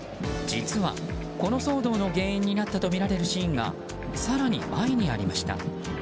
実は、この騒動の原因になったとみられるシーンが更に前にありました。